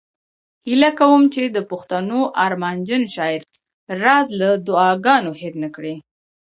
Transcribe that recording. هیله کوم چې د پښتنو ارمانجن شاعر راز له دعاګانو هیر نه کړي